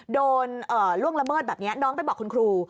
ล่วงละเมิดแบบนี้น้องไปบอกคุณครู